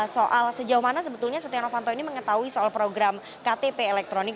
soal sejauh mana sebetulnya setia novanto ini mengetahui soal program ktp elektronik